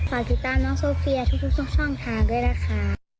ฝากที่ตามน้องโซเฟียทุกช่องชากด้วยล่ะค่ะ